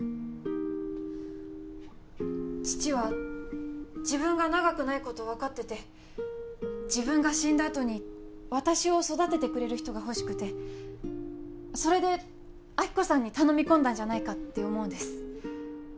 父は自分が長くないことを分かってて自分が死んだあとに私を育ててくれる人がほしくてそれで亜希子さんに頼み込んだんじゃないかって思うんです